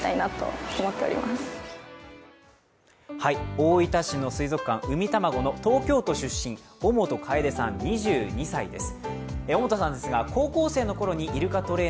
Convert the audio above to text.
大分市の水族館、うみたまごの東京都出身、尾本楓さん２２歳です。